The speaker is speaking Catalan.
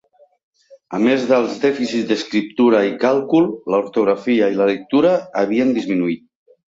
A més dels dèficits d'escriptura i càlcul, l'ortografia i la lectura havien disminuït.